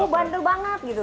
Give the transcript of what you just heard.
bandel banget gitu